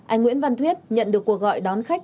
anh nguyễn văn thuyết nhận được cuộc gọi đón khách